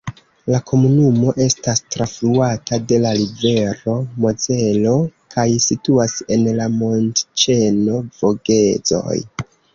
La komunumo estas trafluata de la rivero Mozelo kaj situas en la montĉeno Vogezoj.